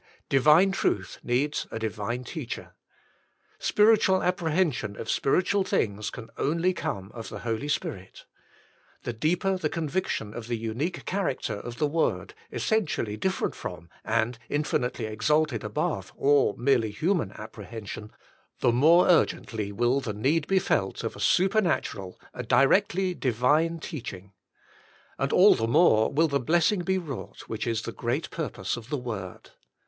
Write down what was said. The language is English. Divine truth needs a Divine Teacher. Spiritual apprehension of spiritual things can only come of the Holy Spirit. The deeper the convic tion of the unique character of the word, essen tially different from, and infinitely exalted above, all merely human apprehension, the more urgently will the need be felt of a supernatural, a directly Divine, teaching. And all the more will the bless ing be wrought which is the great purpose of the word.